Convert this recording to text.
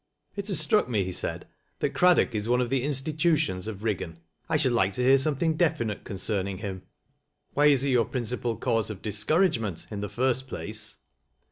" It has struck me," he said, " that Craddock is cne oi the institutions of Riggan. I should like to hear some thing definite concerning him. Why is he your principal cause of discouragement, in the first place